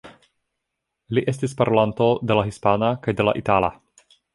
Li estis parolanto de la hispana kaj de la itala.